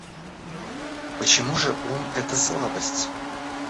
Почему же ум это слабость?